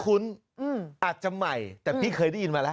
คุ้นอาจจะใหม่แต่พี่เคยได้ยินมาแล้ว